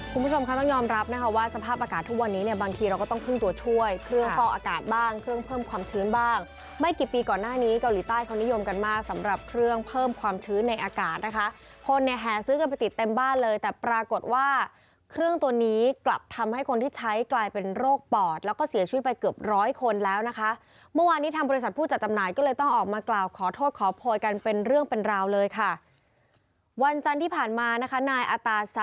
คุณผู้ชมคะต้องยอมรับนะคะว่าสภาพอากาศทุกวันนี้เนี่ยบางทีเราก็ต้องพึ่งตัวช่วยเครื่องฟอกอากาศบ้างเครื่องเพิ่มความชื้นบ้างไม่กี่ปีก่อนหน้านี้เกาหลีใต้เขานิยมกันมากสำหรับเครื่องเพิ่มความชื้นในอากาศนะคะคนเนี่ยแห่ซื้อกันไปติดเต็มบ้านเลยแต่ปรากฏว่าเครื่องตัวนี้กลับทำให้คนที่ใช้กลายเป็นโ